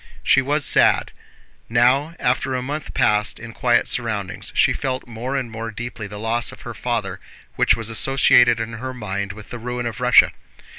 She was sad. Now, after a month passed in quiet surroundings, she felt more and more deeply the loss of her father which was associated in her mind with the ruin of Russia.